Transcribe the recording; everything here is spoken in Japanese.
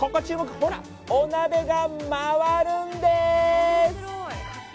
ほら、お鍋が回るんでーす。